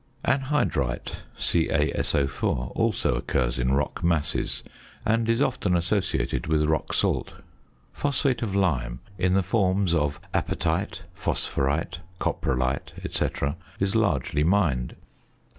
Anhydrite (CaSO_) also occurs in rock masses, and is often associated with rock salt. Phosphate of lime, in the forms of apatite, phosphorite, coprolite, &c., is largely mined.